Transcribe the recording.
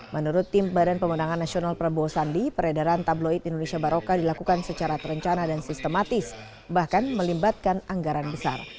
menurut tim badan pemenangan nasional prabowo sandi peredaran tabloid indonesia baroka dilakukan secara terencana dan sistematis bahkan melibatkan anggaran besar